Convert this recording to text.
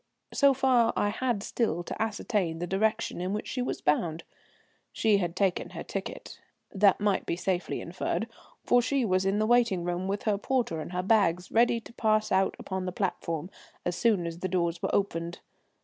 So far I had still to ascertain the direction in which she was bound. She had taken her ticket. That might be safely inferred, for she was in the waiting room with her porter and her bags, ready to pass out upon the platform as soon as the doors were opened.